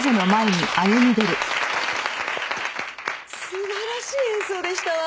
素晴らしい演奏でしたわ。